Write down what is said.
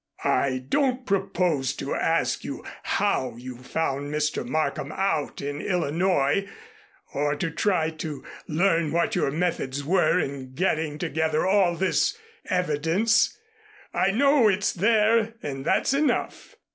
"I don't propose to ask you how you found Mr. Markham out in Illinois, or to try and learn what your methods were in getting together all this evidence. I know it's there and that's enough.